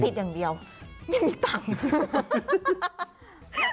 อย่างเดียวไม่มีตังค์